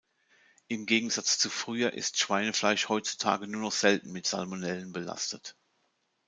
Im Gegensatz zu früher ist Schweinefleisch heutzutage nur noch selten mit Salmonellen belastet.